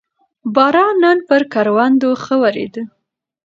باران نن پر کروندو ښه ورېد